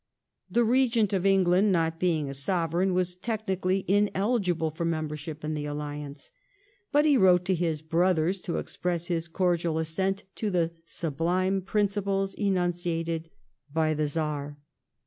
The Regent of Eng land, not being a Sovereign, was technically ineligible for member ship in the alliance, but he wrote to his '' brothers" to express his cordial assent to the "sublime principles" enunciated by he Czar.